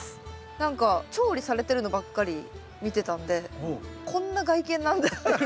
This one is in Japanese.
何か調理されてるのばっかり見てたんでこんな外見なんだっていう。